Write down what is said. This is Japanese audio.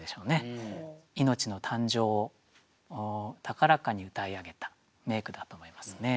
命の誕生を高らかに詠い上げた名句だと思いますね。